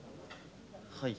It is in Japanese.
はい。